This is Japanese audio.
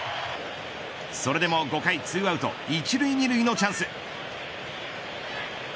それでも５回２アウト１塁２塁のチャンス。